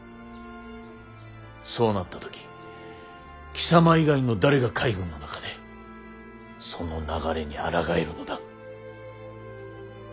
そうなった時貴様以外の誰が海軍の中でその流れにあらがえるのだ？